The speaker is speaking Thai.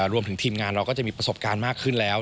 รวมถึงทีมงานเราก็จะมีประสบการณ์มากขึ้นแล้ว